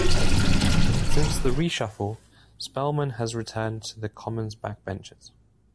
Since the reshuffle, Spelman has returned to the Commons backbenches.